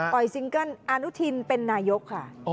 ซิงเกิ้ลอนุทินเป็นนายกค่ะ